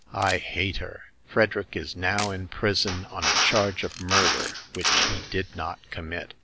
I hate her ! Frederick is now in prison on a charge of murder, which he did not commit.